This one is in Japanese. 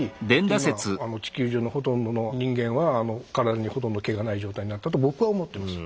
今地球上のほとんどの人間は体にほとんど毛がない状態になったと僕は思ってます。